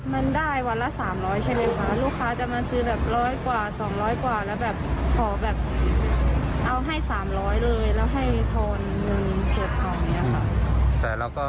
มันได้วันละ๓๐๐ใช่ไหมครับลูกค้าจะมาซื้อแบบ๑๐๐กว่า๒๐๐กว่า